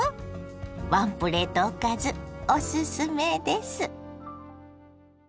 ワンプレートおかずおすすめです。